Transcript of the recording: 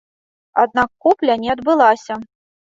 Аднак купля не адбылася.